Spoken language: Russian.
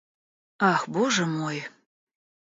Ах, Боже мой!